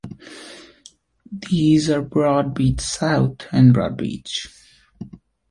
These are Broadbeach South and Broadbeach.